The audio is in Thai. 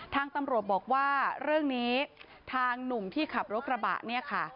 ทางตำรวจบอกว่าเรื่องนี้ทางหนุ่มที่ขับรถกระบะเนี่ยค่ะ